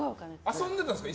遊んでたんですか？